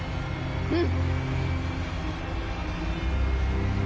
うん！